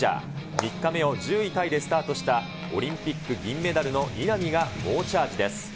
３日目を１０位タイでスタートした、オリンピック銀メダルの稲見が猛チャージです。